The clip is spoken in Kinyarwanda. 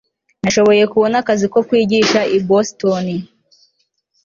nashoboye kubona akazi ko kwigisha i boston